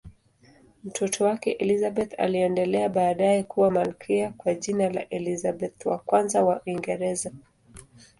Mtoto wake Elizabeth aliendelea baadaye kuwa malkia kwa jina la Elizabeth I wa Uingereza.